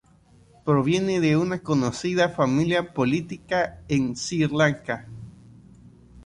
Proviene de una conocida familia política en Sri Lanka.